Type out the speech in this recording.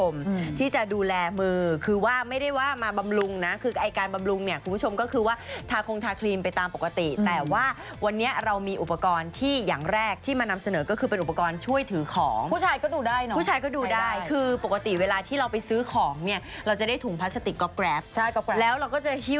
ที่จะดูแลมือคือว่าไม่ได้ว่ามาบำรุงนะคือไอ้การบำรุงเนี่ยคุณผู้ชมก็คือว่าทาคงทาครีมไปตามปกติแต่ว่าวันนี้เรามีอุปกรณ์ที่อย่างแรกที่มานำเสนอก็คือเป็นอุปกรณ์ช่วยถือของผู้ชายก็ดูได้เนอะผู้ชายก็ดูได้คือปกติเวลาที่เราไปซื้อของเนี่ยเราจะได้ถุงพลาสติกก๊อบแรปใช่ก๊อบแล้วเราก็จะหิ้